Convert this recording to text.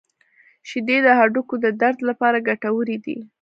• شیدې د هډوکو د درد لپاره ګټورې دي.